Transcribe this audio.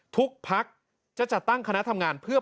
ทุกภักดิ์จะจัดตั้งคณะทำงาน